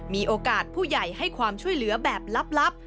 มีโอกาสผู้ใหญ่ให้ความช่วยเหลือแบบลับ